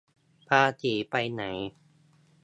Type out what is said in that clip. ภาษีไปไหน